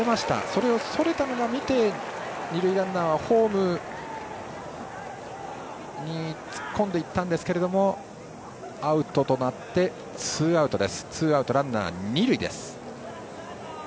それをそれたのを見て二塁ランナーはホームに突っ込んでいったんですがアウトとなってツーアウトランナー、二塁です。